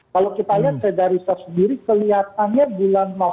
kalau kita lihat dari sas diri kelihatannya bulan